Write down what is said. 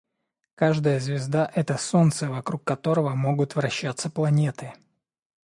Каждая звезда - это солнце, вокруг которого могут вращаться планеты.